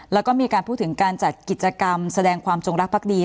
แล้วก็มีการพูดถึงการจัดกิจกรรมแสดงความจงรักภักดี